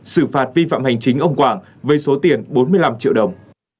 xử phạt vi phạm hành chính ông quảng với số tiền bốn mươi năm triệu đồng